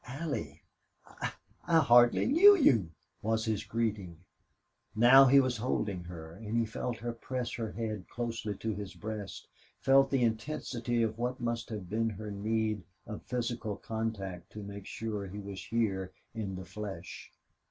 "Allie!... I I hardly knew you!" was his greeting. Now he was holding her, and he felt her press her head closely to his breast, felt the intensity of what must have been her need of physical contact to make sure he was here in the flesh.